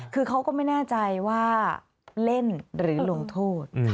คือเขาก็ไม่แน่ใจว่าเล่นหรือลงโทษ